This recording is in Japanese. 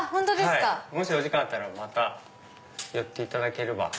もしお時間あったらまた寄っていただければ。